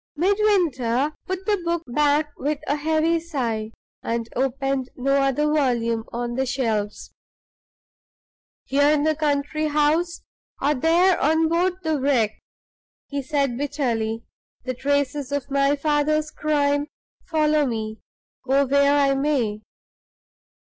Midwinter put the book back with a heavy sigh, and opened no other volume on the shelves. "Here in the country house, or there on board the wreck," he said, bitterly, "the traces of my father's crime follow me, go where I may."